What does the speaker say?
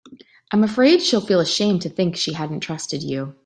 I'm afraid she'd feel ashamed to think she hadn't trusted you.